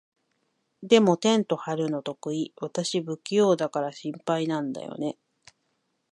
でも、テント張るの得意？私、不器用だから心配なんだよね。